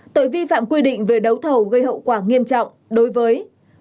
tội vi phạm quy định về đấu thầu gây hậu quả nghiêm trọng đối với